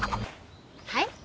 はい？